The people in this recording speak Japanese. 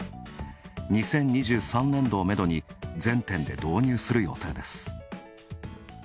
２０２３年度をメドに、全店で導入する予定です。